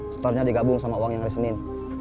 store nya digabung sama uang yang hari senin